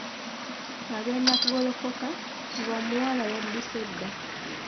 Agenda okugolokoka, nga omuwala yaddusse dda!